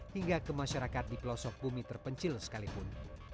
hingga ke masyarakat di pelosok bumi terpencil sekalipun